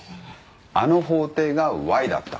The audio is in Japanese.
あの法廷がＹだった。